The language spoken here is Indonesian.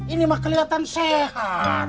ini mah kelihatan sehat